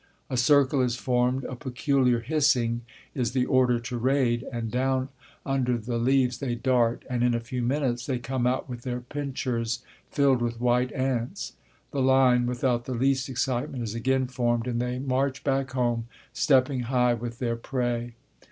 A circle is formed, a peculiar hissing is the order to raid, and down under the leaves they dart, and in a few minutes they come out with their pinchers filled with white ants. The line, without the least excitement, is again formed and they march back home stepping high with their prey.